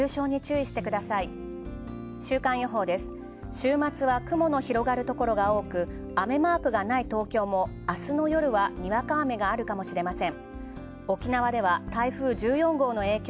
週末は雲の広がるところが多く雨マークがない東京も、明日の夜は雨が降るかもしれません。